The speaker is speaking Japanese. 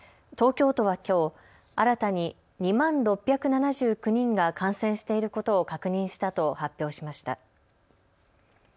東京都はきょう、新たに２万６７９人が感染していることを確認したと発表しました。